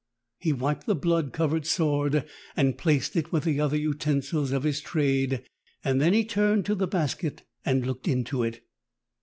He wiped the blood eovered sword and plaeed it with the other uten sils of his trade, and then he turned to the basket and looked into it.